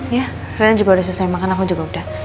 iya reyna juga udah selesai makan aku juga udah